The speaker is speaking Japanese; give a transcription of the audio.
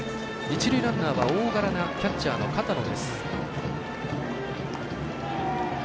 一塁ランナーは大柄なキャッチャーの片野です。